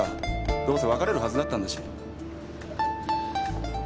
どうせ別れるはずだったんだし。